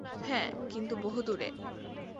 হ্যাঁ, কিন্তু বহুদূরে।